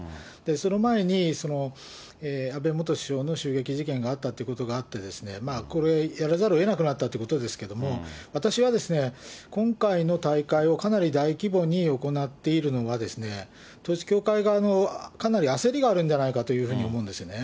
その前に、安倍元首相の襲撃事件があったということがあって、これ、やらざるをえなくなったということですが、私は今回の大会をかなり大規模に行っているのは、統一教会側の、かなり焦りがあるんじゃないかというふうに思うんですね。